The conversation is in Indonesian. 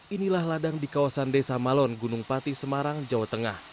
inilah ladang di kawasan desa malon gunung pati semarang jawa tengah